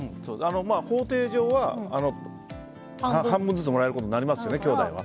法廷上は、半分ずつもらえることになりますよねきょうだいは。